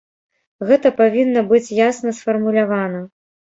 Гэта павінна быць ясна сфармулявана.